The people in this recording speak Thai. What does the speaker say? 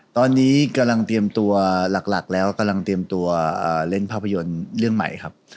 ตอนนี้กำลังเตรียมตัวหลักแล้วกำลังเตรียมตัวเล่นภาพยนตร์เรื่องใหม่ครับ